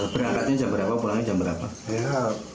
berangkatnya jam berapa pulangnya jam berapa